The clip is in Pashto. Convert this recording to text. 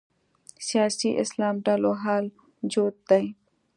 سیاسي اسلام ډلو حال جوت دی